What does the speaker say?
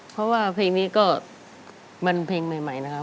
เพราะว่าเพลงนี้ก็มันเพลงใหม่นะครับ